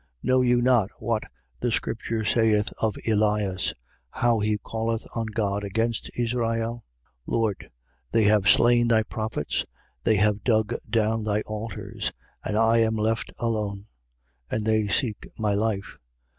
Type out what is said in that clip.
Know you not what the scripture saith of Elias, how he calleth on God against Israel? 11:3. Lord, they have slain thy prophets, they have dug down thy altars. And I am left alone: and they seek my life.